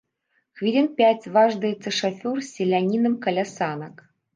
Хвілін пяць важдаецца шафёр з селянінам каля санак.